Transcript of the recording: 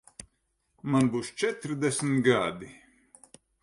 Man būs četrdesmit gadi.